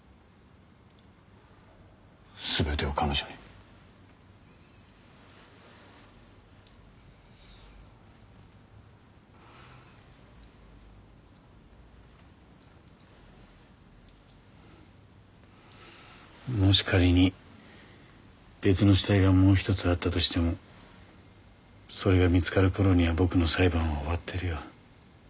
すべてを彼女にもし仮に別の死体がもう１つあったとしてもそれが見つかる頃には僕の裁判は終わってるよ